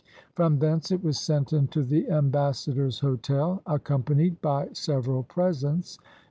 From thence it was sent into the ambassador's hotel, accompanied by several presents.